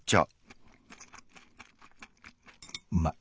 うまい。